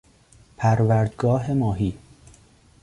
پروردگاه ماهی